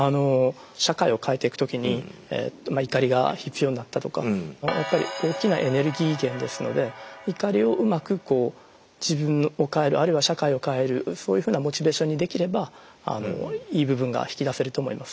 社会を変えていく時にまあ怒りが必要になったとかやっぱり大きなエネルギー源ですので怒りをうまくこう自分を変えるあるいは社会を変えるそういうふうなモチベーションにできればいい部分が引き出せると思います。